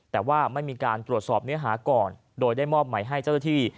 แต่ว่าไม่มีการตรวจสอบเนื้อหาก่อนโดยได้มอบหมายให้เจ้าหน้าที่